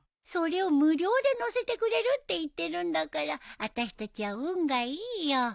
それを無料で乗せてくれるって言ってるんだからあたしたちは運がいいよ。